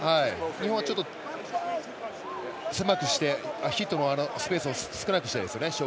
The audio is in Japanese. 日本はヒットのスペースを少なくしたいですよね。